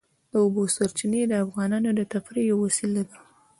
د اوبو سرچینې د افغانانو د تفریح یوه وسیله ده.